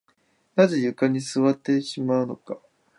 なぜ床に座ってしまうのか